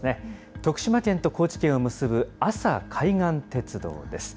徳島県と高知県を結ぶ阿佐海岸鉄道です。